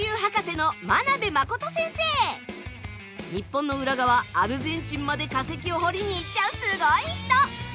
日本の裏側アルゼンチンまで化石を掘りに行っちゃうすごい人。